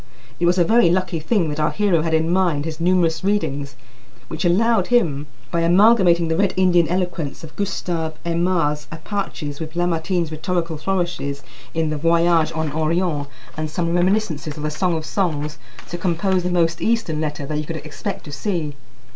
It was a very lucky thing that our hero had in mind his numerous readings, which allowed him, by amalgamating the Red Indian eloquence of Gustave Aimard's Apaches with Lamartine's rhetorical flourishes in the "Voyage en Orient," and some reminiscences of the "Song of Songs," to compose the most Eastern letter that you could expect to see.